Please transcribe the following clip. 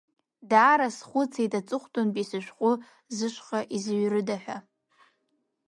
Даара схәыцит, аҵыхәтәантәи сышәҟәы зышҟа изыҩрыда ҳәа.